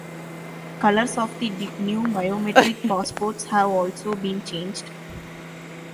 Colours of the new biometric passports have also been changed.